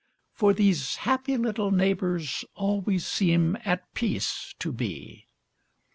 For these happy little neighbors Always seem at peace to be.